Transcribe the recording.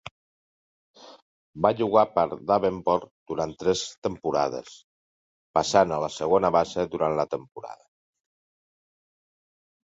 Va jugar per Davenport durant tres temporades, passant a la segona base durant la temporada.